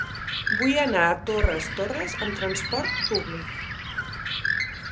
Vull anar a Torres Torres amb transport públic.